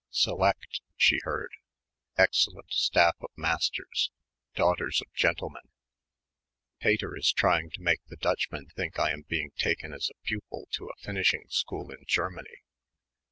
"Select," she heard, "excellent staff of masters ... daughters of gentlemen." "Pater is trying to make the Dutchman think I am being taken as a pupil to a finishing school in Germany."